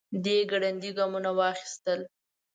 دی ګړندي ګامونه واخيستل.